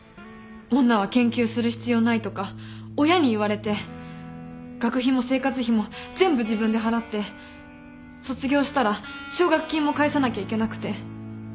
女は研究する必要ないとか親に言われて学費も生活費も全部自分で払って卒業したら奨学金も返さなきゃいけなくて。